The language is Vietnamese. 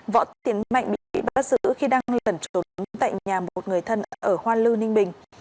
võ tiến mạnh bị bắt giữ khi đang lẩn trốn tại nhà một người thân ở hoa lư ninh bình